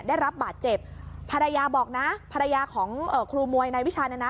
ได้รับบาดเจ็บภรรยาบอกนะภรรยาของเอ่อครูมวยนายวิชาเนี่ยนะ